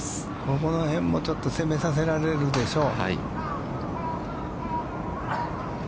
この辺もちょっと攻めさせられるでしょう。